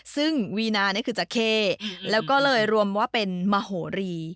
ซึ่งวีนานี่คือจักเข้แล้วก็เลยรวมว่าเป็นมโหรี